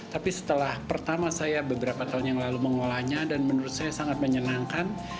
tapi setelah pertama saya beberapa tahun yang lalu mengolahnya dan menurut saya sangat menyenangkan